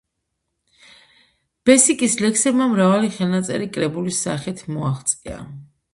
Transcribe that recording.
ბესიკის ლექსებმა მრავალი ხელნაწერი კრებულის სახით მოაღწია.